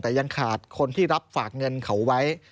แต่ยังขาดคนที่รับฝากเงินเขาไว้